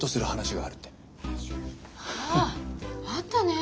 あああったね。